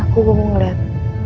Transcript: aku mau ngeliat